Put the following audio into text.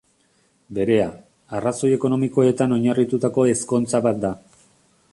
Berea, arrazoi ekonomikoetan oinarritutako ezkontza bat da.